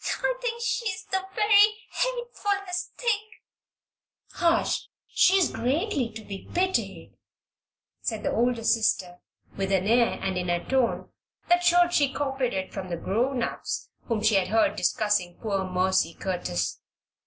I think she's the very hatefulest thing " "Hush! she's greatly to be pitied," said the older sister, with an air and in a tone that showed she copied it from the "grown ups" whom she had heard discussing poor Mercy Curtis.